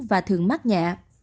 và thường mắc nhẹ